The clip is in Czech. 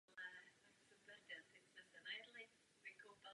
Teď je všechno pryč.